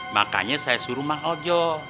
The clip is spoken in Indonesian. makanya saya suruh mah ojo